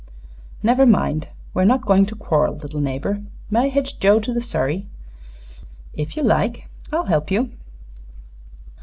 Never mind. We're not going to quarrel, little neighbor. May I hitch Joe to the surrey?" "If you like. I'll help you."